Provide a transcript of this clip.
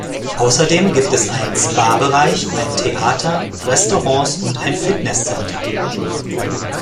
Außerdem gibt es einen Spa-Bereich, ein Theater, Restaurants und ein Fitnesscenter.